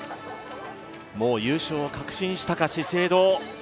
もう優勝を確信したか、資生堂。